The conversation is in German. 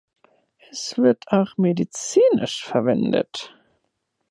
Es wird auch medizinisch verwendet.